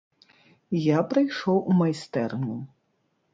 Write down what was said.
Я прыйшоў у майстэрню.